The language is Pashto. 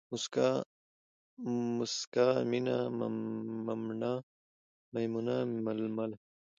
موسکا ، مُسکا، مينه ، مماڼه ، ميمونه ، ململه